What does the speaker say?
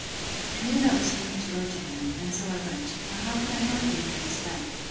I knew that was for me to go to him; and so I went: for how can I help being at his beck?